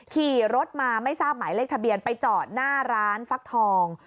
ขี่รถมาไม่ทราบหมายเลขทะเบียนไปจอดหน้าร้านฟักทอง